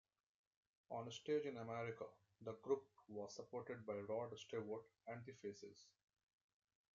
On stage in America, the group was supported by Rod Stewart and the Faces.